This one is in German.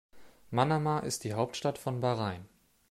Manama ist die Hauptstadt von Bahrain.